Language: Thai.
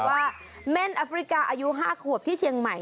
ว่าเม่นแอฟริกาอายุ๕ขวบที่เชียงใหม่